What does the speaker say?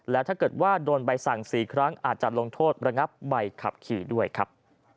และถ้าเกิดว่าโดนใบสั่ง๔ครั้งอาจจะลงโทษระงับใบขับขี่ด้วยครับ